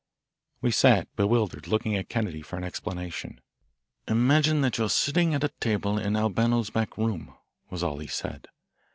We sat bewildered, looking at Kennedy for an explanation. "Imagine that you are sitting at a table in Albano's back room," was all he said.